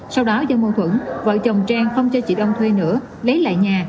sau đó do mâu thuẫn vợ chồng trang không cho chị đông thuê nữa lấy lại nhà